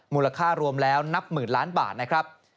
มูลค่ารวมแล้วนับหมื่นล้านบาท